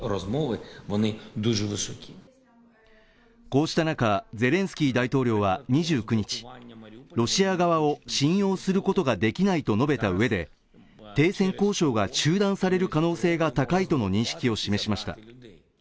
こうした中、ゼレンスキー大統領は２９日、ロシア側を信用することができないと述べたうえで、停戦交渉が中断される可能性が高いとの認識を示しました。